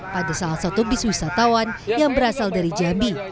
pada salah satu bis wisatawan yang berasal dari jambi